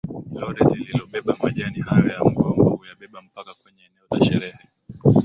Lori lilobeba majani hayo ya mgomba huyabeba mpaka kwenye eneo la sherehe